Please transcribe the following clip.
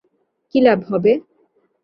কী লাভ হবে?